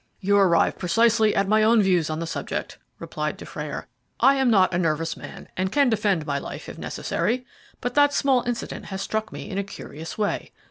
"You arrive precisely at my own views on the subject," replied Dufrayer. "I am not a nervous man, and can defend my life if necessary. But that small incident has stuck to me in a curious way.